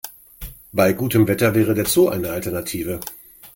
Bei gutem Wetter wäre der Zoo eine Alternative.